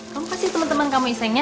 kamu kasih temen temen kamu iseng ya